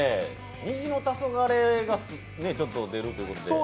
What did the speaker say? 虹の黄昏が出るということで。